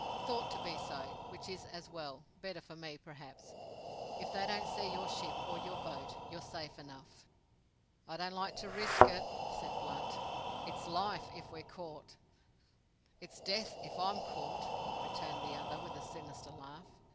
"Thought to be so, which is as well better for me, perhaps. If they don't see your ship, or your boat, you're safe enough." "I don't like to risk it," said Blunt. "It's Life if we're caught." "It's Death if I'm caught!" returned the other, with a sinister laugh.